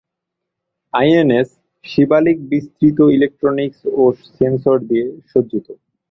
INS "Shivalik" বিস্তৃত electronics ও sensor দিয়ে সজ্জিত।